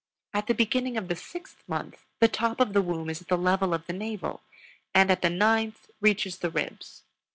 At the beginning of the sixth month the top of the womb is at the level of the navel, and at the ninth reaches the ribs.